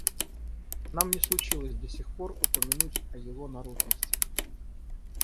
Нам не случилось до сих пор упомянуть о его наружности.